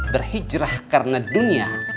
berhijrah karena dunia